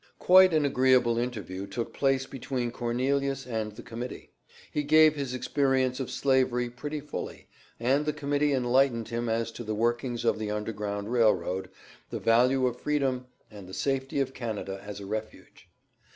Quite an agreeable interview took place between Cornelius and the Committee. He gave his experience of Slavery pretty fully, and the Committee enlightened him as to the workings of the Underground Rail Road, the value of freedom, and the safety of Canada as a refuge.